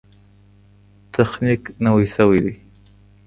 تخنیک نوی سوی دی.